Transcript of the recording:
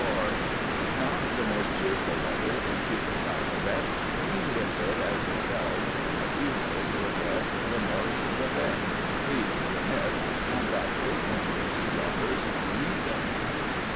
Not the most cheerful letter in Cupid's Alphabet, bringing with it as it does, Refusal, Regret, Remorse, Revenge, "Please Remit," and that great hindrance to Lovers, Reason.